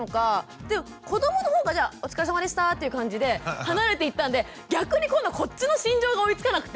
で子どもほうがじゃあお疲れさまでしたっていう感じで離れていったんで逆に今度こっちの心情が追いつかなくて。